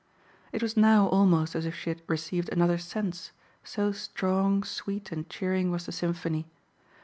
It was now almost as if she had received another sense, so strong, sweet, and cheering was the symphony.